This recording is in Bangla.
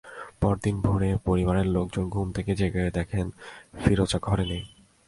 পরদিন ভোরে পরিবারের লোকজন ঘুম থেকে জেগে দেখেন, ফিরোজা ঘরে নেই।